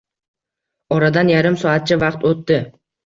Oradan yarim soatcha vaqt o'tdi.